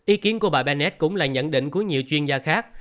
ý kiến của bà bennet cũng là nhận định của nhiều chuyên gia khác